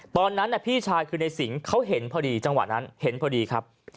ตอนนั้นพี่ชายคือในสิงเขาเห็นพอดีจังหวะนั้นเห็นพอดีครับ